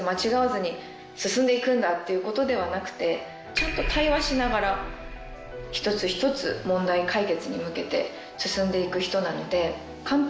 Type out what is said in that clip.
ちゃんと対話しながら一つ一つ問題解決に向けて進んでいく人なので。